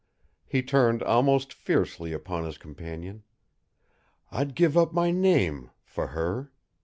He turned almost fiercely upon his companion. "I'd give up my name for HER.